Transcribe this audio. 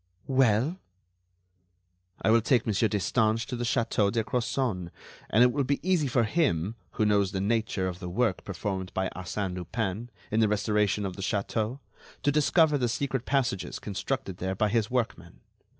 "Well?" "I will take Monsieur Destange to the château de Crozon, and it will be easy for him, who knows the nature of the work performed by Arsène Lupin in the restoration of the Château, to discover the secret passages constructed there by his workmen.